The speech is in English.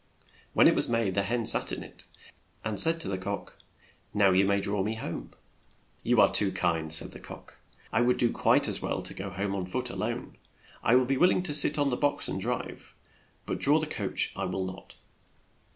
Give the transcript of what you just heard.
When it was made the hen sat in it, and said to the cock, "Now you may draw me home." "You are too kind," said the cock. "I would do quite as well to go home on foot a lone. I would be will ing to sit on the box and drive, but draw the coach I will not."